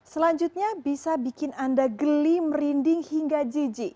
selanjutnya bisa bikin anda geli merinding hingga jijik